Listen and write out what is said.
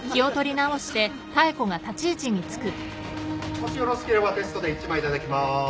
もしよろしければテストで１枚頂きます。